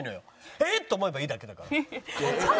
「えっ！」と思えばいいだけだから。